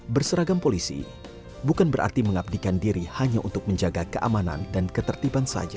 berseragam polisi bukan berarti mengabdikan diri hanya untuk menjaga keamanan dan ketertiban saja